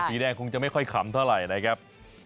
สีแดงคงจะไม่ค่อยขำเท่าไหร่นะครับ